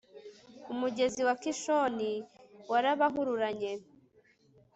umugezi wa kishoni warabahururanye